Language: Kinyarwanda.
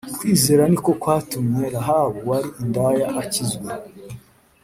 Kwizera ni ko kwatumye Rahabu wari indaya akizwa